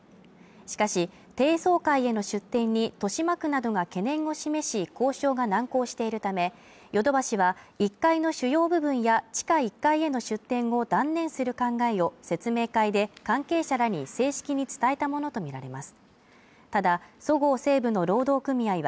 しかし、低層階への出店に豊島区などが懸念を示し、交渉が難航しているため、ヨドバシは１回の主要部分や、地下１階への出店を断念する考えを説明会で、関係者らに正式に伝えたものとみられます。